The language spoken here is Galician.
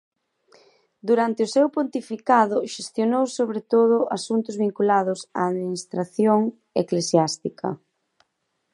Durante o seu pontificado xestionou sobre todo asuntos vinculados á administración eclesiástica.